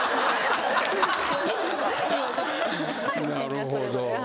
なるほど。